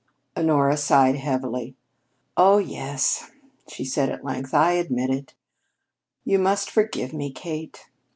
Honora sighed heavily. "Oh, yes," she said at length, "I do admit it. You must forgive me, Kate.